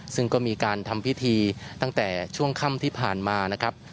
ซึ่งก็มีการทำพิธีตั้งแต่ช่วงค่ำที่ผ่านมานะครับ